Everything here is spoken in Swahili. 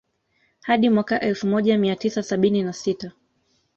Hadi mwaka elfu moja mia tisa sabini na sita